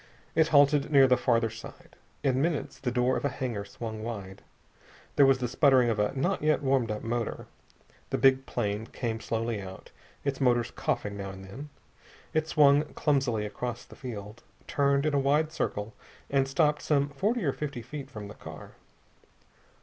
It halted near the farther side. In minutes the door of a hangar swung wide. There was the sputtering of a not yet warmed up motor. The big plane came slowly out, its motors coughing now and then. It swung clumsily across the field, turned in a wide circle, and stopped some forty or fifty feet from the car.